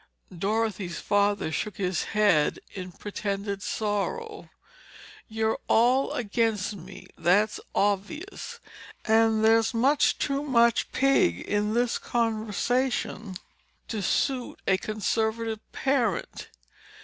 Dorothy's father shook his head in pretended sorrow. "You're all against me, that's obvious. And there's much too much pig in this conversation to suit a conservative parent."